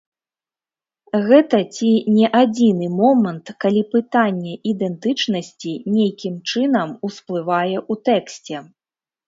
Гэта ці не адзіны момант, калі пытанне ідэнтычнасці нейкім чынам усплывае ў тэксце.